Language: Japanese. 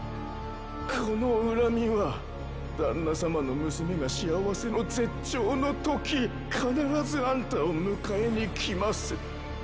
この「恨み」はだんな様の娘が「幸せの絶頂」の時必ずあんたを迎えに来ます。